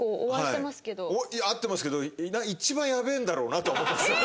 いや会ってますけど「一番やべえんだろうな」とは思ってますよ